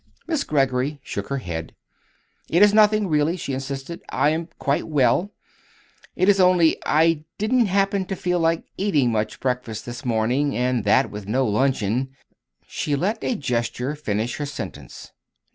Miss Greggory shook her head. "It is nothing, really," she insisted. "I am quite well. It is only I didn't happen to feel like eating much breakfast this morning; and that, with no luncheon " She let a gesture finish her sentence.